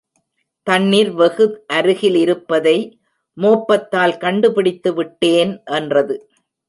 தண்ணிர் வெகு அருகில் இருப்பதை மோப்பத்தால் கண்டுபிடித்து விட்டேன் என்றது.